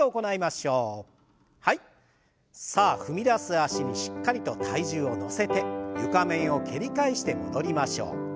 脚にしっかりと体重を乗せて床面を蹴り返して戻りましょう。